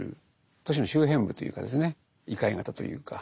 都市の周辺部というか異界型というか。